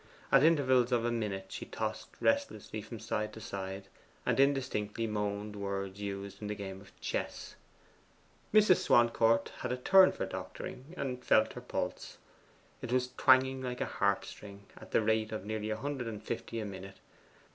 At intervals of a minute she tossed restlessly from side to side, and indistinctly moaned words used in the game of chess. Mrs. Swancourt had a turn for doctoring, and felt her pulse. It was twanging like a harp string, at the rate of nearly a hundred and fifty a minute.